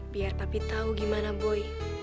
biar papi tau gimana boy